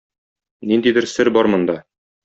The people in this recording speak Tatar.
Ниндидер сер бар монда.